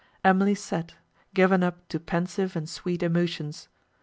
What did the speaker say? Emily sat, given up to pensive and sweet emotions.